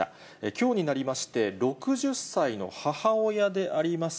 きょうになりまして、６０歳の母親であります